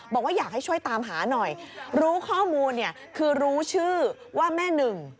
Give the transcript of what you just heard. บอกว่าอยากให้ช่วยตามหาหน่อยรู้ข้อมูลเนี่ยคือรู้ชื่อว่าแม่หนึ่ง